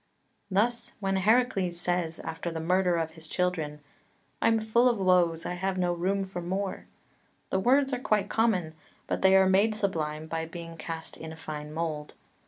3 Thus when Heracles says, after the murder of his children, "I'm full of woes, I have no room for more," the words are quite common, but they are made sublime by being cast in a fine mould.